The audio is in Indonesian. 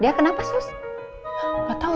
saya gak mau gitu